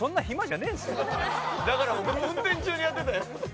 だから運転中にやってたやん。